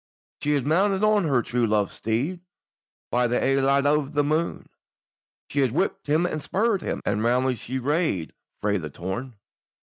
She has mounted on her true love's steed, By the ae light o' the moon; She has whipped him and spurred him, And roundly she rade frae the toun.